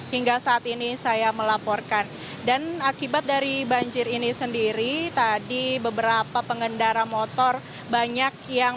hai ini saya melaporkan dan akibat dari banjir ini sendiri tadi beberapa pengendara motor banyak yang